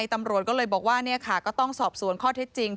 ตำรวจก็เลยบอกว่าก็ต้องสอบสวนข้อเท็จจริง